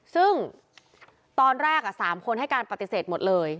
ซึ่งตอนแรก๓คนให้การปฏิเสธหมดเลย